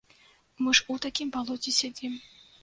Мы ж у такім балоце сядзім.